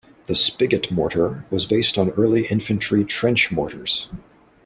The spigot mortar was based on early infantry trench mortars.